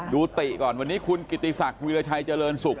ติก่อนวันนี้คุณกิติศักดิราชัยเจริญสุข